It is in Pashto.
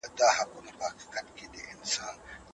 پښتو ژبه زموږ د ملي وحدت او پیوستون رښتینې وسیله ده.